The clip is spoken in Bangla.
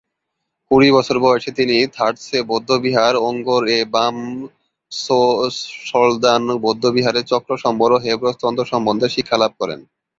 কুড়ি বছর বয়সে তিনি থার-র্ত্সে বৌদ্ধবিহার ও ঙ্গোর-এ-বাম-ছোস-ল্দান বৌদ্ধবিহারে চক্রসম্বর ও হেবজ্র তন্ত্র সম্বন্ধে শিক্ষালাভ করেন।